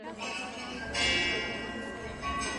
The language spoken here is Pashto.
الله تعالی خپل بندګان امر کړي او هڅولي دي.